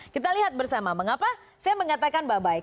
kita lihat bersama mengapa fem mengatakan bye bye